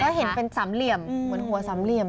แล้วเห็นเป็นสามเหลี่ยมเหมือนหัวสามเหลี่ยม